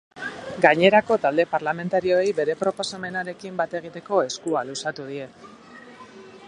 Gainerako talde parlamentarioei bere proposamenarekin bat egiteko eskua luzatu die.